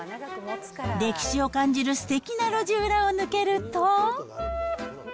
歴史を感じるすてきな路地裏を抜けると。